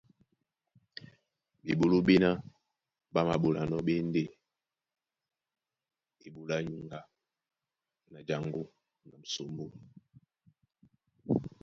Bɓeɓoló ɓéná ɓá māɓolanɔ́ ɓé e ndé eɓoló á nyuŋgá na jaŋgó na musombó.